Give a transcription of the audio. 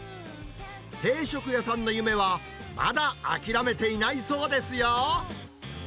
定食屋さんの夢は、まだ諦めていないそうですよ。